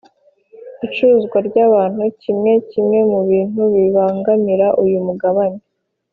icuruzwa ry’ abantu kimwe kimwe mu bintu bibangamiye uyu mugabane